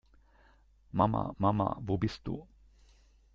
Mama, Mama, wo bist du?